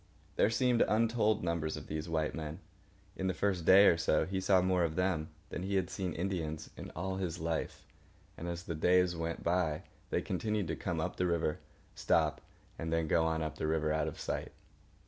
There seemed untold numbers of these white men. In the first day or so, he saw more of them than he had seen Indians in all his life; and as the days went by they continued to come up the river, stop, and then go on up the river out of sight.